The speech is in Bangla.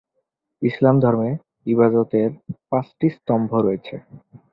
ইসলাম ধর্মে ইবাদত এর পাঁচটি স্তম্ভ রয়েছে।